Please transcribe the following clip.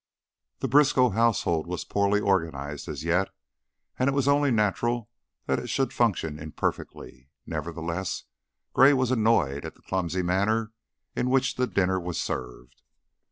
The Briskow household was poorly organized as yet, and it was only natural that it should function imperfectly; nevertheless, Gray was annoyed at the clumsy manner in which the dinner was served.